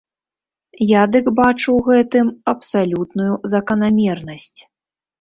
Я дык бачу ў гэтым абсалютную заканамернасць.